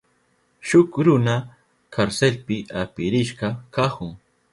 Shuk runa karselpi apirishka kahun.